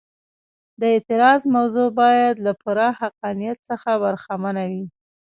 د اعتراض موضوع باید له پوره حقانیت څخه برخمنه وي.